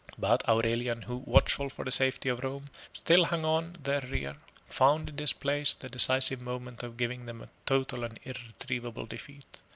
But Aurelian, who, watchful for the safety of Rome, still hung on their rear, found in this place the decisive moment of giving them a total and irretrievable defeat.